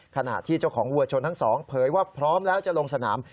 ขณะที่เจ้าของวัวชนทั้งสองเผยว่าพร้อมแล้วจะลงสนาม